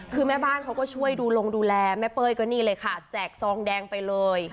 คือแม่บ้านเขาก็ช่วยดูลงดูแลแม่เป้ยก็นี่เลยค่ะแจกซองแดงไปเลย